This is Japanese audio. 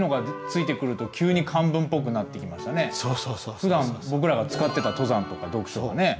ふだん僕らが使ってた「登山」とか「読書」がね。